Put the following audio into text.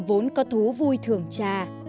vốn có thú vui thưởng trà